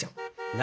何？